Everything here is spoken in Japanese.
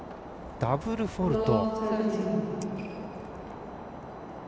ダブルフォールト。